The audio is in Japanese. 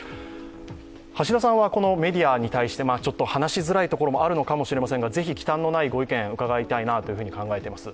橋田さんはメディアに対して、話しづらいこともあるかもしれませんが、ぜひ忌憚のない意見をいただきたいと思います